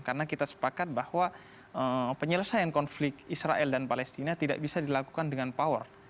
karena kita sepakat bahwa penyelesaian konflik israel dan palestina tidak bisa dilakukan dengan power